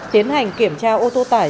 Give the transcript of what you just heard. tiến hành kiểm tra ô tô tải